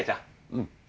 うん。